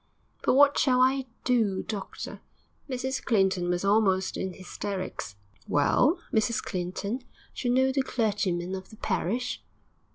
'But what shall I do, doctor?' Mrs Clinton was almost in hysterics. 'Well, Mrs Clinton, d'you know the clergyman of the parish?'